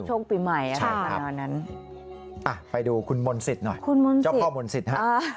รับโชคปีใหม่ค่ะไปดูคุณมนศิษย์หน่อยเจ้าพ่อมนศิษย์